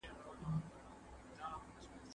امیر دوست محمد خان یو هوښیار سیاستوال و.